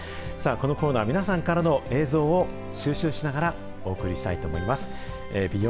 このコーナー、皆さんからの映像を収集しながら、お送りしたいと思います。